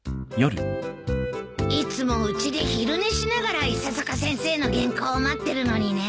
いつもうちで昼寝しながら伊佐坂先生の原稿を待ってるのにね。